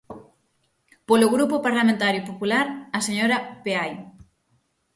Polo Grupo Parlamentario Popular, a señora Peai.